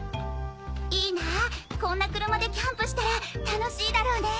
いいなこんな車でキャンプしたら楽しいだろうね！